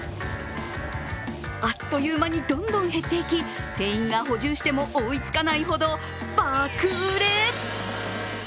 あっという間にどんどん減っていき、店員が補充しても追いつかないほど爆売れ。